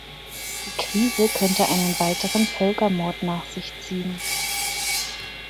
Die Krise könnte einen weiteren Völkermord nach sich ziehen.